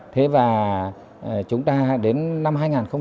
thế và chúng ta đến năm hai nghìn một mươi năm